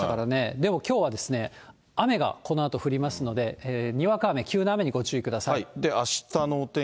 でも、きょうは雨がこのあと降りますので、にわか雨、急な雨にご注意ください。